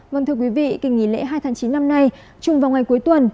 vâng thưa quý vị kỳ nghỉ lễ hai tháng chín năm nay chung vào ngày cuối tuần